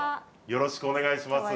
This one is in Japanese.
よろしくお願いします。